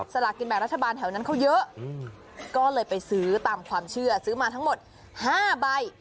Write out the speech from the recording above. สลากินแบ่งรัฐบาลแถวนั้นเขาเยอะก็เลยไปซื้อตามความเชื่อซื้อมาทั้งหมด๕ใบ